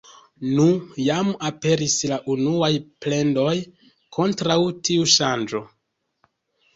Nu, jam aperis la unuaj plendoj kontraŭ tiu ŝanĝo...